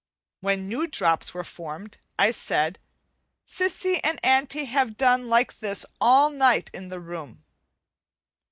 When new drops were formed, I said, "Cissy and auntie have done like this all night in the room."